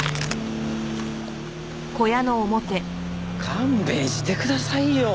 勘弁してくださいよ。